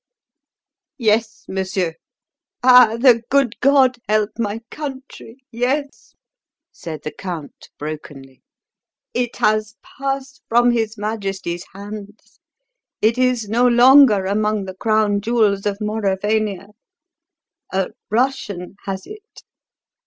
"Yes, monsieur ah, the good God help my country! yes!" said the Count brokenly. "It has passed from his Majesty's hands; it is no longer among the crown jewels of Mauravania a Russian has it."